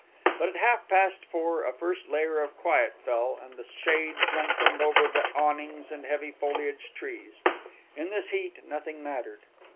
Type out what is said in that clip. But at half past four a first layer of quiet fell and the shades lengthened under the awnings and heavy foliaged trees. In this heat nothing mattered.